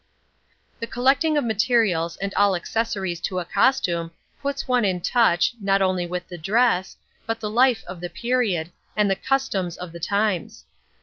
The collecting of materials and all accessories to a costume, puts one in touch, not only with the dress, but the life of the period, and the customs of the times.